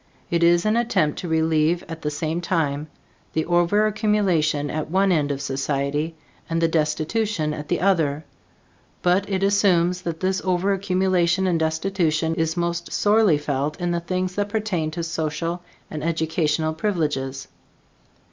It is an attempt to relieve, at the same time, the overaccumulation at one end of society and the destitution at the other; but it assumes that this overaccumulation and destitution is most sorely felt in the things that pertain to social and educational privileges.